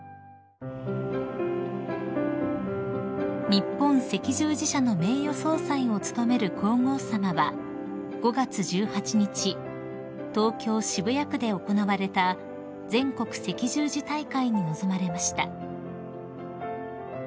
［日本赤十字社の名誉総裁を務める皇后さまは５月１８日東京渋谷区で行われた全国赤十字大会に臨まれました］